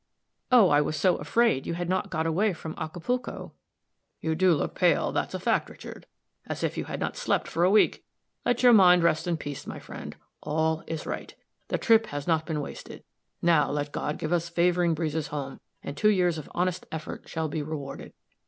"Oh, I was so afraid you had not got away from Acapulco." "You do look pale, that's a fact, Richard as if you had not slept for a week. Let your mind rest in quiet, my friend. All is right. The trip has not been wasted. Now let God give us favoring breezes home, and two years of honest effort shall be rewarded.